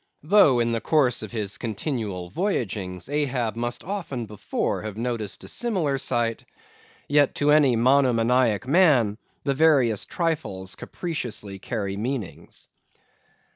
Though in the course of his continual voyagings Ahab must often before have noticed a similar sight, yet, to any monomaniac man, the veriest trifles capriciously carry meanings.